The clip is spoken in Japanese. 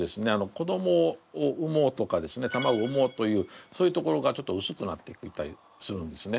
子どもを産もうとかですね卵を産もうというそういうところがちょっとうすくなっていったりするんですね。